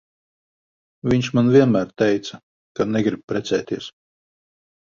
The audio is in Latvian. Viņš man vienmēr teica, ka negrib precēties.